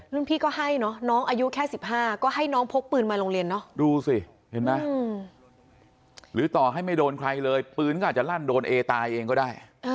พี่ก็ให้เนอะน้องอายุแค่๑๕ก็ให้น้องพกปืนมาโรงเรียนเนอะดูสิเห็นไหมหรือต่อให้ไม่โดนใครเลยปืนก็อาจจะลั่นโดนเอตายเองก็ได้